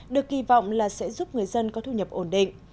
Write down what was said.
được kỳ vọng là sẽ giúp người dân có thu nhập ổn định